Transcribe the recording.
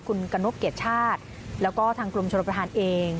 คุณกระนกเกียรติชาติแล้วก็ทางกรมชนประธานเอง